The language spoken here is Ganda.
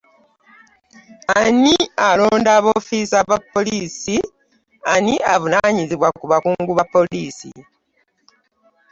Ani alonda b’ofiisa ba poliisi, ani avunaanyizibwa ku bakungu ba poliisi?